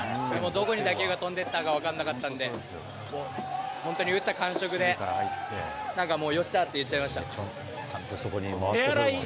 どこに打球が飛んでったか、分かんなかったんで、もう、本当に打った感触で、なんかもう、よっしゃーって言っちゃいました。